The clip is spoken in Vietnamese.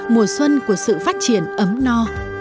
mùa xuân của sự phát triển ấm no